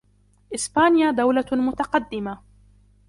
إسبانيا دولة متقدمة.